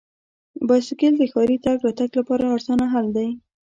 بایسکل د ښاري تګ راتګ لپاره ارزانه حل دی.